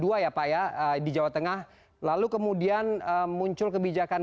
juga penerapan prokes pada ppkm tahap dua ya pak ya di jawa tengah lalu kemudian muncul kebijakan